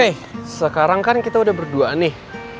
oke sekarang kan kita udah berduaan nih